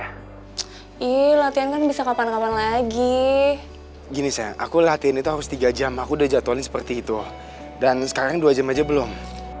hi latihan kan bisa kapan kapan lagi gini saya aku latihan itu harus tiga jam aku udah jadwalin seperti itu dan sekarang dua jam aja belum